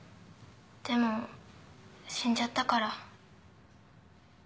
でも死んじゃったから。